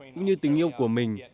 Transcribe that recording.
cũng như tình yêu của mình